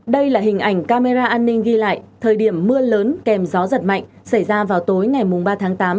đây là hình ảnh camera an ninh ghi lại thời điểm mưa lớn kèm gió giật mạnh xảy ra vào tối ngày ba tháng tám